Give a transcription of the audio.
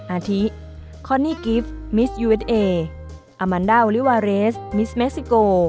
อาทิคอนนี่กิฟต์มิสยูเอสเออามันดัลลิวาเรสมิสเม็กซิโก